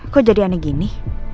kok jadi aneh gini